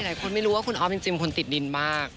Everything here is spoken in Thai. หลายคนไม่รู้ว่าคุณออฟจริงเป็นคนติดดินมาก